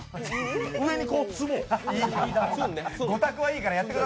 上に積もう。